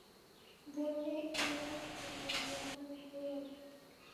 বললে, এ আমার ভাগ্য, এ আমার গৌরব।